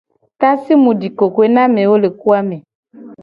Tasi mu di kokoe na amewo le ko a me.